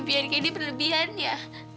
biar ini penelian ya